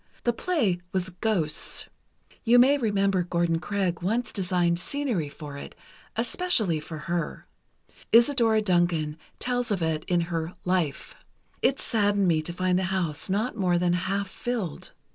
The play was 'Ghosts.' You may remember Gordon Craig once designed scenery for it, especially for her. Isadora Duncan tells of it in her 'Life.' It saddened me to find the house not more than half filled.